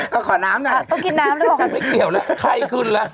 ก็ขอน้ำหน่อยต้องกินน้ำได้ป่ะครับไม่เกี่ยวแล้วไข้ขึ้นแล้ว